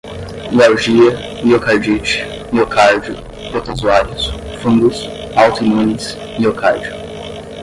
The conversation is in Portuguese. mialgia, miocardite, miocárdio, protozoários, fungos, autoimunes, miocárdio